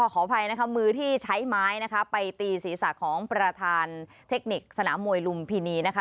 ขออภัยนะคะมือที่ใช้ไม้นะคะไปตีศีรษะของประธานเทคนิคสนามมวยลุมพินีนะคะ